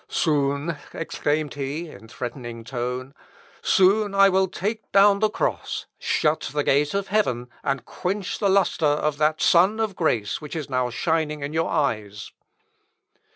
"Soon," exclaimed he, in a threatening tone, "soon will I take down the cross, shut the gate of heaven, and quench the lustre of that sun of grace which is now shining in your eyes."